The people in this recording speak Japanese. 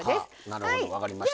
なるほど分かりました。